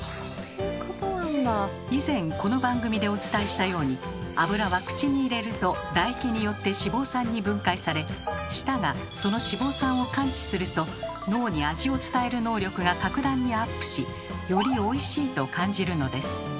以前この番組でお伝えしたように脂は口に入れると唾液によって脂肪酸に分解され舌がその脂肪酸を感知すると脳に味を伝える能力が格段にアップしより「おいしい」と感じるのです。